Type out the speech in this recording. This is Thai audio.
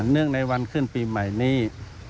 เนื่องในวันขึ้นปีใหม่นี้